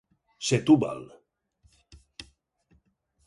Setúbal.